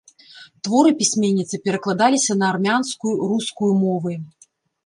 Творы пісьменніцы перакладаліся на армянскую, рускую мовы.